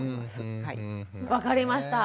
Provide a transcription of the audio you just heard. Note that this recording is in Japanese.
分かりました。